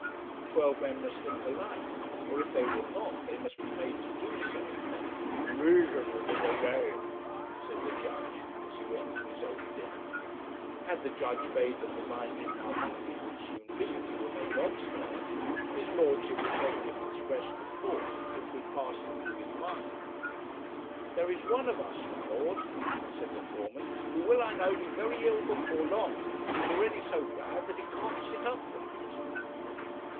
Twelve men must think alike; or, if they will not, they must be made to do so. 'Reason with him again,' said the judge, as he went to his own dinner. Had the judge bade them remind him how hungry he would soon be if he remained obstinate, his lordship would probably have expressed the thought which was passing through his mind. 'There is one of us, my lord,' said the foreman, 'who will I know be very ill before long; he is already so bad that he can't sit upright.'